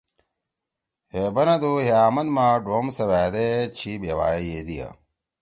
ہے بندو ہے آمن ما ڈوم سیوأدے چھی بیوائے ییدیا۔